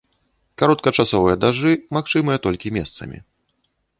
Кароткачасовыя дажджы магчымыя толькі месцамі.